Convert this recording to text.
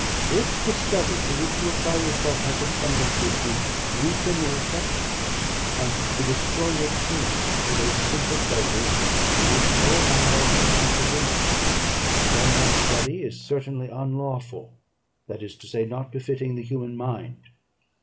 If the study to which you apply yourself has a tendency to weaken your affections, and to destroy your taste for those simple pleasures in which no alloy can possibly mix, then that study is certainly unlawful, that is to say, not befitting the human mind.